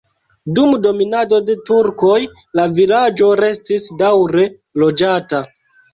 Dum dominado de turkoj la vilaĝo restis daŭre loĝata.